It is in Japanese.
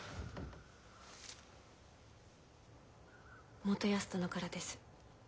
元康殿からです。